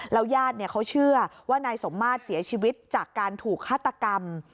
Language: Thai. ญาติเขาเชื่อว่านายสมมาตรเสียชีวิตจากการถูกฆาตกรรม